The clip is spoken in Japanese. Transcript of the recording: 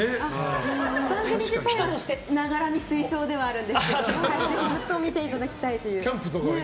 番組としてはながら見推奨なんですけどずっと見ていただきたいという。